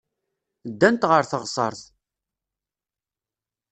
Ddant ɣer teɣsert.